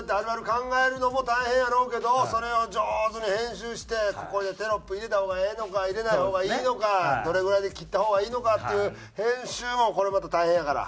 考えるのも大変やろうけどそれを上手に編集してここでテロップ入れた方がええのか入れない方がいいのかどれぐらいで切った方がいいのかっていう編集もこれまた大変やから。